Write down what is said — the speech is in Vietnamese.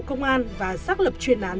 công an và xác lập chuyên án